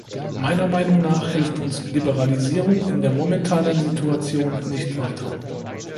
Meiner Meinung nach hilft uns Liberalisierung in der momentanen Situation nicht weiter.